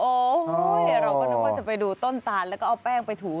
โอ้โหเราก็นึกว่าจะไปดูต้นตาลแล้วก็เอาแป้งไปถู